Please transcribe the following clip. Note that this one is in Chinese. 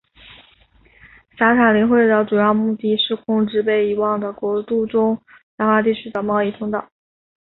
散塔林会的主要目的是控制被遗忘的国度中繁华地区的贸易通道。